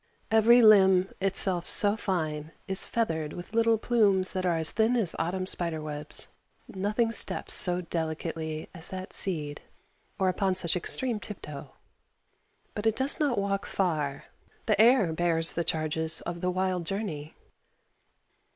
Every limb, itself so fine, is feathered with little plumes that are as thin as autumn spider webs. Nothing steps so delicately as that seed, or upon such extreme tiptoe. But it does not walk far; the air bears the charges of the wild journey.